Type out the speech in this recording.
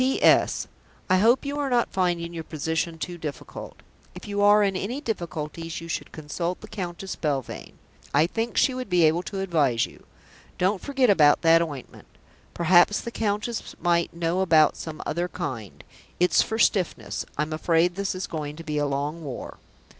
"P.S. I hope you are not finding your position too difficult. If you are in any difficulties you should consult the Countess Belvane. I think she would be able to advise you. Don't forget about that ointment. Perhaps the Countess might know about some other kind. It's for stiffness. I am afraid this is going to be a long war."